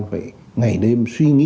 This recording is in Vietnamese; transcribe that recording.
phải ngày đêm suy nghĩ